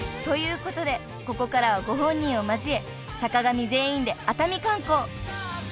［ということでここからはご本人を交え坂上全員で熱海観光］